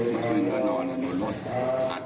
เมื่อวานแบงค์อยู่ไหนเมื่อวาน